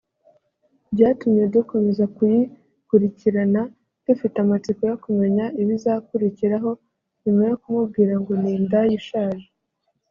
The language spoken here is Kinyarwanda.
Byatumye dukomeza kuyikurikirana dufite amatsiko yo kumenya ibizakurikiraho nyuma yo kumubwira ngo ‘Ni indaya ishaje